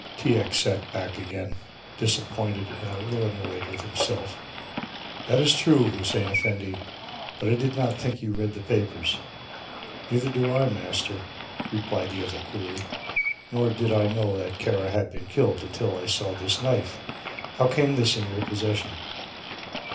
T. X. sat back again, disappointed and a little annoyed with himself. "That is true, Hussein Effendi, but I did not think you read the papers." "Neither do I, master," replied the other coolly, "nor did I know that Kara had been killed until I saw this knife. How came this in your possession!"